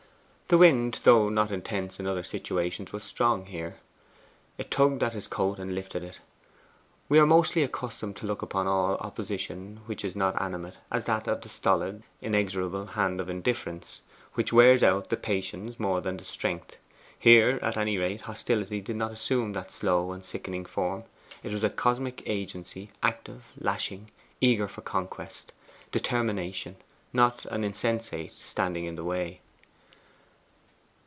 The wind, though not intense in other situations was strong here. It tugged at his coat and lifted it. We are mostly accustomed to look upon all opposition which is not animate, as that of the stolid, inexorable hand of indifference, which wears out the patience more than the strength. Here, at any rate, hostility did not assume that slow and sickening form. It was a cosmic agency, active, lashing, eager for conquest: determination; not an insensate standing in the way.